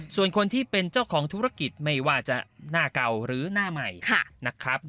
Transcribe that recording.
ส่วนคนที่เป็นเจ้าของธุรกิจไม่ว่าจะหน้าเก่าหรือหน้าใหม่นะครับ